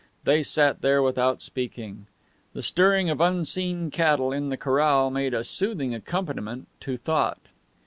They sat there without speaking. The stirring of unseen cattle in the corral made a soothing accompaniment to thought.